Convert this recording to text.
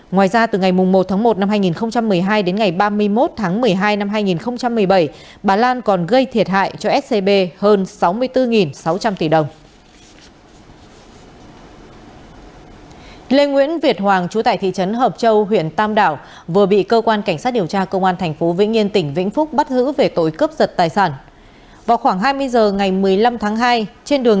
ngoài ra từ ngày một tháng một năm hai nghìn một mươi hai đến ngày ba mươi một tháng một mươi hai năm hai nghìn một mươi bảy bà lan còn gây thiệt hại cho scb hơn sáu mươi bốn sáu trăm linh tỷ đồng